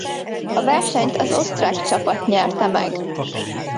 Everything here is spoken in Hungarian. A versenyt az osztrák csapat nyerte meg.